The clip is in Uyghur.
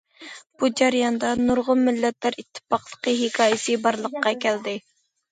بۇ جەرياندا نۇرغۇن مىللەتلەر ئىتتىپاقلىقى ھېكايىسى بارلىققا كەلدى.